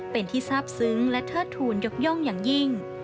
เป็นที่ทราบซึ้งและเทิดทูลยกย่องอย่างยิ่ง